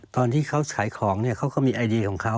ตอนที่เขาขายของเขาก็มีไอเดียของเขา